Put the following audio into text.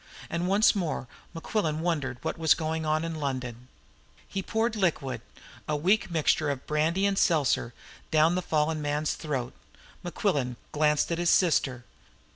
And once more Mequillen wondered what was going on in London. As he poured liquid a weak mixture of brandy and seltzer down the fallen man's throat, Mequillen glanced at his sister.